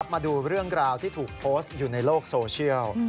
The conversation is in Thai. มาดูเรื่องราวที่ถูกโพสต์อยู่ในโลกโซเชียล